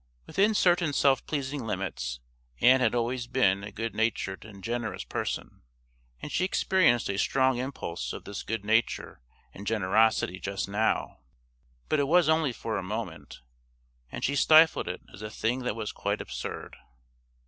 Within certain self pleasing limits Ann had always been a good natured and generous person, and she experienced a strong impulse of this good nature and generosity just now, but it was only for a moment, and she stifled it as a thing that was quite absurd.